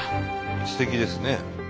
すてきですね。